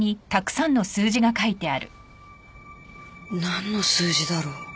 何の数字だろう。